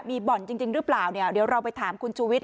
มีบ่อนจริงหรือเปล่าเนี่ยเดี๋ยวเราไปถามคุณชูวิทย